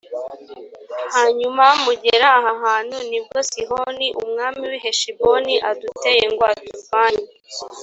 hanyuma mugera aha hantu; ni bwo sihoni umwami w’i heshiboni aduteye ngo aturwanye,